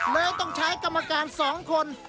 เลยต้องใช้กรรมการ๒คน